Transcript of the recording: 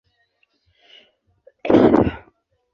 Hata fumbatio ni nyembamba na ndefu kiasi kwa kawaida.